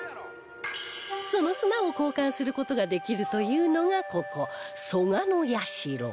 その砂を交換する事ができるというのがここ素鵞社